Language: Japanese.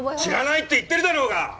知らないって言ってるだろうが！